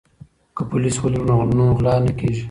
که پولیس ولرو نو غلا نه کیږي.